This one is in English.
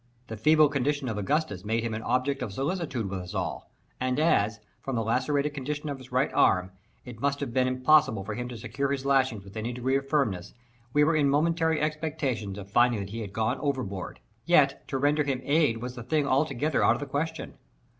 The feeble condition of Augustus made him an object of solicitude with us all; and as, from the lacerated condition of his right arm, it must have been impossible for him to secure his lashings with any degree of firmness, we were in momentary expectation of finding that he had gone overboard—yet to render him aid was a thing altogether out of the question.